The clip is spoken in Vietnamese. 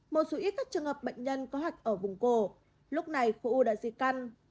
một số ít các trường hợp bệnh nhân có hạch ở vùng cổ lúc này khu u đã di căn